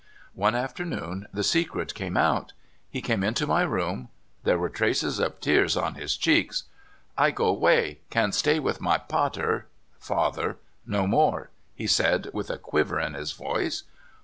One afternoon the secret came out. He came into my room. There were traces of tears on his cheeks. '' I go 'way — can stay with my pather [father] no more, ' he said with a quiver in his voice.